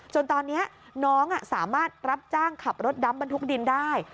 จนตอนนี้น้องสามารถรับจ้างขับรถดำบรรทุกดินได้